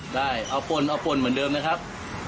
ได้เอาปนเอาปนเหมือนเดิมนะครับ